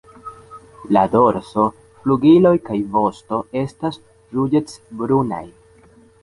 La dorso, flugiloj kaj vosto estas ruĝecbrunaj.